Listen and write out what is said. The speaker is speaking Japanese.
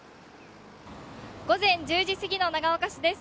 午前１０時過ぎの長岡市です。